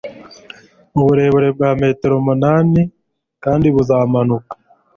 uburebure bwa metero umunani kandi buzamuka !!